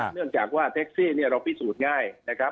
เนื่องจากว่าแท็กซี่เนี่ยเราพิสูจน์ง่ายนะครับ